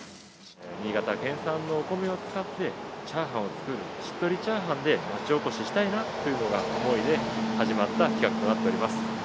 新潟県産のお米を使ってチャーハンを作る、しっとり炒飯で町おこししたいなという思いで始まった企画となっております。